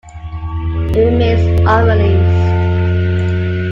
It remains unreleased.